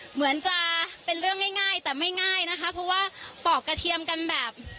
เหมือนจะเป็นเรื่องง่ายแต่ไม่ง่ายนะคะเพราะว่าปอกกระเทียมกันแบบ